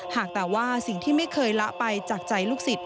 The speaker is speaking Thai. หากแต่ว่าสิ่งที่ไม่เคยละไปจากใจลูกศิษย